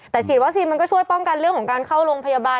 แต่ฉีดวัคซีนมันก็ช่วยป้องกันเรื่องของการเข้าโรงพยาบาล